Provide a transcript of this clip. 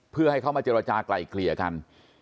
เพื่อให้เขามาเจรจากลายเกลี่ยกัน